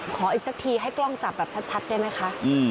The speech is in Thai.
อีกสักทีให้กล้องจับแบบชัดได้ไหมคะ